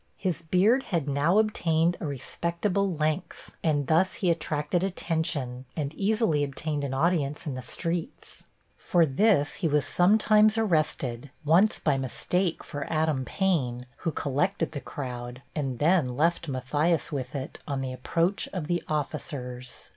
His beard had now obtained a respectable length, and thus he attracted attention, and easily obtained an audience in the streets. For this he was sometimes arrested, once by mistake for Adam Paine, who collected the crowd, and then left Matthias with it on the approach of the officers.